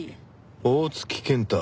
大槻健太。